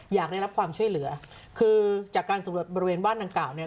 อยากได้รับความช่วยเหลือคือจากการสำรวจบริเวณบ้านดังกล่าวเนี่ย